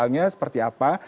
dan uang digitalnya seperti apa